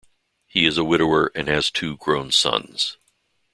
He is a widower and has two grown sons.